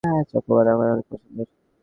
Chocobar আমার অনেক পছন্দের?